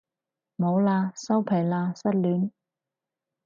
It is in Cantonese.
冇喇收皮喇失戀